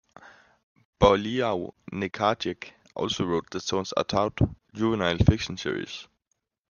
Boileau-Narcejac also wrote the "Sans Atout" juvenile fiction series.